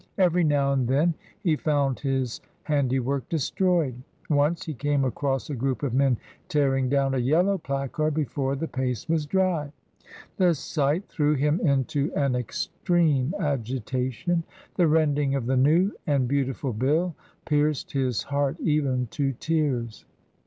Every now and then he found his handiwork destroyed ; once he came across a group of men tearing down a Yellow placard before the paste was dry. The sight threw him into an extreme agitation ; the rending of the new and beautiful bill pierced his heart even to tears.